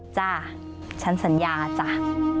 จ้ะฉันสัญญาจ้ะ